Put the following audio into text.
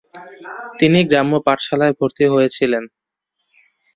তিনি গ্রাম্য পাঠশালায় ভর্তি হয়েছিলেন।